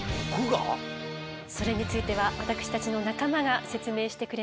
それについては私たちの仲間が説明してくれます。